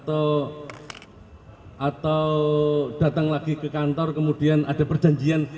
atau datang lagi ke kantor kemudian ada perjanjian